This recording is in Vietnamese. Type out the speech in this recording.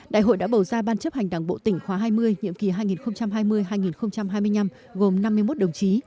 đại hội đã bầu ra ban chấp hành đảng bộ tỉnh khóa hai mươi nhiệm kỳ hai nghìn hai mươi hai nghìn hai mươi năm gồm năm mươi một đồng chí